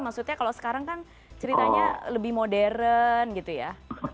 maksudnya kalau sekarang kan ceritanya lebih modern gitu ya